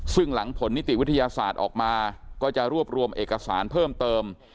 ซึ่งหลังผลนิติวิทยาศาสตร์ออกมาก็จะรวบรวมเอกสารเพิ่มเติม